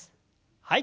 はい。